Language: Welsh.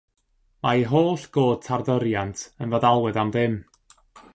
Mae ei holl god tarddyriant yn feddalwedd am ddim.